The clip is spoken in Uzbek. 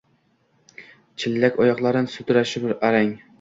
Chillak oyoqlarin sudrashib arang.